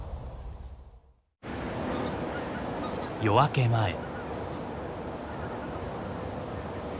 夜明け前。